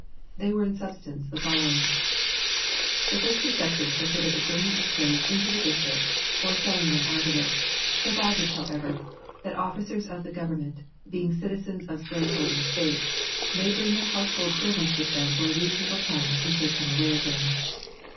They were in substance the following: The first two sections prohibit the bringing of slaves into the district or selling them out of it, provided, however, that officers of the Government, being citizens of slave holding States, may bring their household servants with them for a reasonable time and take them away again.